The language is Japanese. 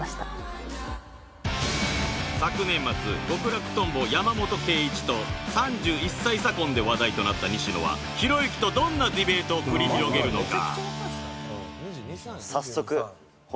昨年末極楽とんぼ山本圭壱と３１歳差婚で話題となった西野はひろゆきとどんなディベートを繰り広げるのか？